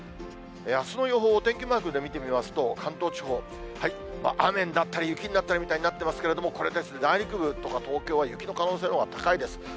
あすの予報、お天気マークで見てみますと、関東地方、雨になったり、雪になったりみたいになっていますが、これですね、内陸部とか東京のほう雪の可能性のほうが高いです。